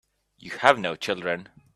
You have no children.